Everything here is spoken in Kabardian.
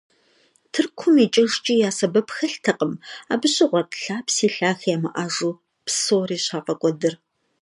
Тыркум икӀыжкӀи я сэбэп хэлътэкъым, абы щыгъуэт лъапси лъахи ямыӀэжу псори щафӀэкӀуэдыр.